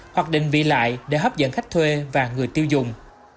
hoặc định vị lại để hấp dẫn khách thuê và người tiêu dùng